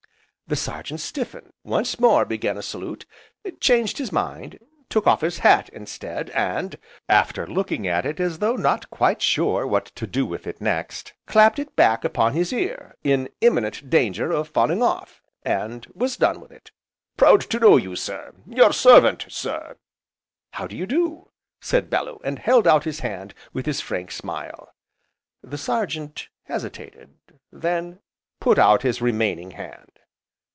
The Sergeant stiffened, once more began a salute, changed his mind, took off his hat instead, and, after looking at it as though not quite sure what to do with it next, clapped it back upon his ear, in imminent danger of falling off, and was done with it. "Proud to know you, sir, your servant, sir!" "How do you do!" said Bellew, and held out his hand with his frank smile. The Sergeant hesitated, then put out his remaining hand.